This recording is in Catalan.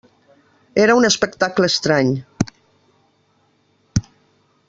Era un espectacle estrany.